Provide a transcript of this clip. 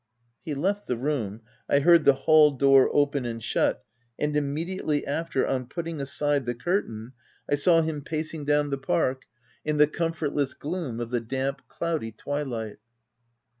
He left the room, I heard the hall door open and shut, and immediately after, on putting aside the curtain, I saw him pacing down the '222 THE TENANT park, in the comfortless gloom of the damp, cloudy twilight.